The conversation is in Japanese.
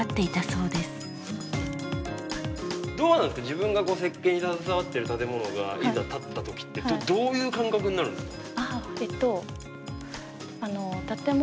自分が設計に携わってる建物がいざ建ったときってどういう感覚になるんですか？